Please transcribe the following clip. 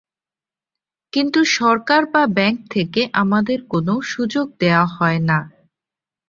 কিন্তু সরকার বা ব্যাংক থেকে আমাদের কোনো সুযোগ দেওয়া হয় না।